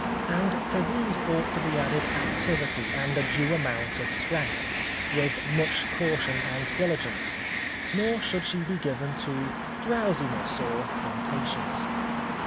And to these ought to be added activity, and a due amount of strength, with much caution and diligence, nor should she be given to drowsiness or impatience.